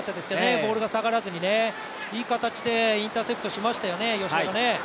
ボールが下がらずに、いい形でインターセプトしましたよね、吉田が。